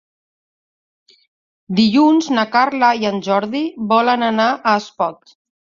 Dilluns na Carla i en Jordi volen anar a Espot.